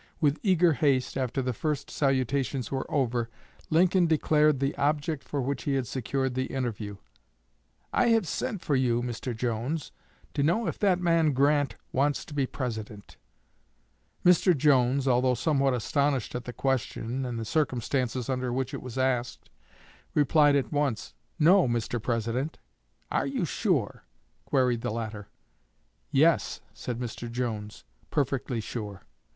With eager haste, after the first salutations were over, Lincoln declared the object for which he had secured the interview: "'I have sent for you, Mr. Jones, to know if that man Grant wants to be President.' Mr. Jones, although somewhat astonished at the question and the circumstances under which it was asked, replied at once, 'No, Mr. President.' 'Are you sure?' queried the latter. 'Yes,' said Mr. Jones, 'perfectly sure.